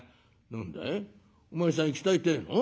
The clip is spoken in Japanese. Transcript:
「何だいお前さん行きたいってえの？